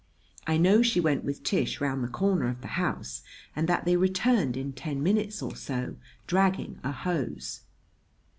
I know she went with Tish round the corner of the house, and that they returned in ten minutes or so, dragging a hose.